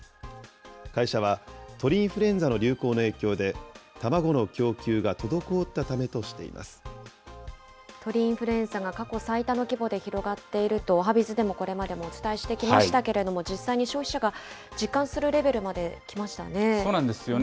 会社は、鳥インフルエンザの流行の影響で、卵の供給が滞ったため鳥インフルエンザが過去最多の規模で広がっていると、おはＢｉｚでもこれまでもお伝えしてきましたけれども、実際に消費者が実感するレベルまできましたね。